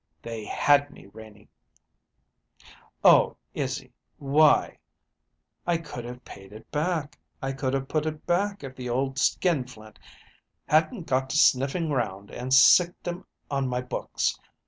"They had me, Renie." "Oh, Izzy, why " "I could have paid it back. I could have put it back if the old skinflint hadn't got to sniffing round and sicked 'em on my books.